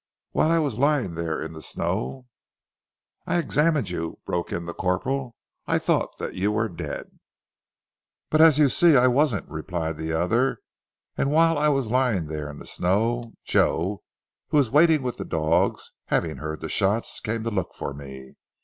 Whilst I was lying there in the snow " "I examined you," broke in the corporal. "I thought that you were dead!" "But as you see I wasn't," replied the other, "and whilst I was lying there in the snow; Joe, who was waiting with the dogs, having heard the shots came to look for me.